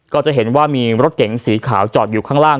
ก็จะเห็นว่ามีรถเก๋งสีขาวจอดอยู่ข้างล่าง